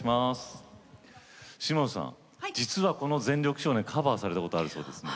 島津さん実はこの「全力少年」カバーされたことあるそうですね。